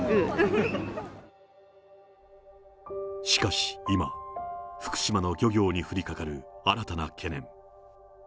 しかし今、福島の漁業に降りかかる新たな懸念。